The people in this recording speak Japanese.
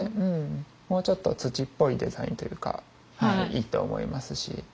もうちょっと土っぽいデザインというかがいいと思いますし。